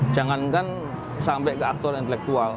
jangankan sampai ke aktor intelektual